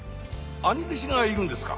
兄弟子がいるんですか？